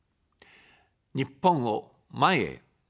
日本を、前へ。